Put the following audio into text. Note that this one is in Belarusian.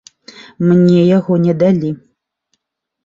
Мне яго не далі.